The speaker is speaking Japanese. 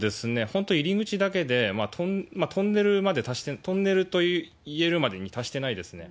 本当、入り口だけで、トンネルといえるまでに達してないですね。